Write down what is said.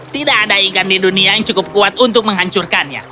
tidak ada ikan di dunia yang cukup kuat untuk menghancurkannya